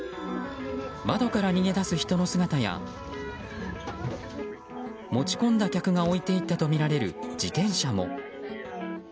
窓から逃げ出す人の姿や持ち込んだ客が置いていったとみられる自転車も。